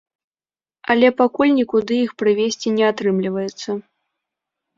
Але пакуль нікуды іх прывезці не атрымліваецца.